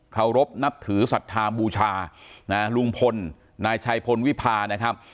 เขารบนับถือศรัทธาบูชานะลุงพลนายชัยพลวิพานะครับ